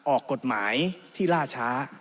ออกกฎหมายที่ล่าช้า